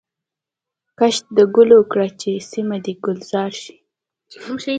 کښت د ګلو کړه چي سیمه دي ګلزار سي